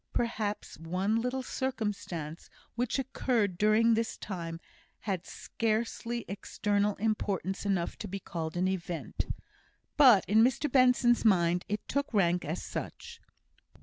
Perhaps one little circumstance which occurred during this time had scarcely external importance enough to be called an event; but in Mr Benson's mind it took rank as such.